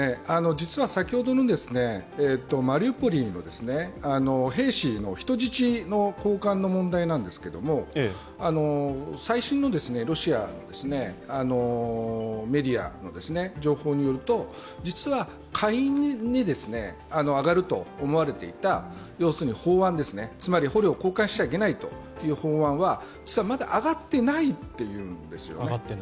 実は先ほどのマリウポリの兵士の人質の交換の問題なんですけど、最新のロシアのメディアの情報によると実は下院に上がると思われていた法案、つまり捕虜を交換しちゃいけないという法案は実はまだ上がっていないっていうんですよ。